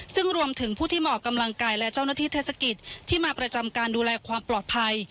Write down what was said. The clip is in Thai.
ซึ่งรวมถึงผู้ที่มาออกกำลังกายและเจ้าหน้าที่เทศกิจที่มาประจำการดูแลความปลอดภัย